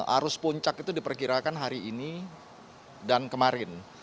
arus puncak itu diperkirakan hari ini dan kemarin